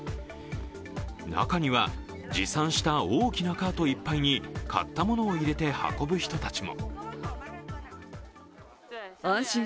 中には持参した大きなカートいっぱいに買ったものを入れて運ぶ人たちも。